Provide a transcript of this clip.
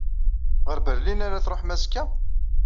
Ɣer Berlin ara ad ṛuḥem azekka?